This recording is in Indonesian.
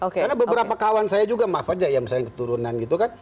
karena beberapa kawan saya juga maaf aja yang keturunan gitu kan